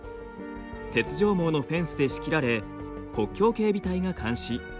鉄条網のフェンスで仕切られ国境警備隊が監視。